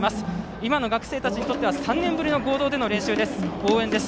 今の学生たちにとっては３年ぶりの合同での応援です。